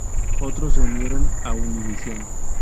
Otros se unieron a Univision.